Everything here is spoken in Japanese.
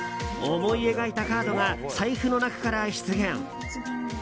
思い描いたカードが財布の中から出現。